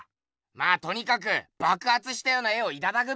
まあとにかくばくはつしたような絵をいただくべよ。